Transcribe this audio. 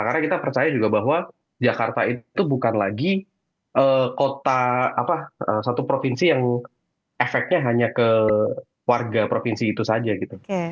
karena kita percaya juga bahwa jakarta itu bukan lagi kota satu provinsi yang efeknya hanya ke warga provinsi itu saja gitu